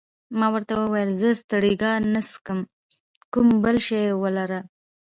ما ورته وویل: زه سټریګا نه څښم، کوم بل شی ولره.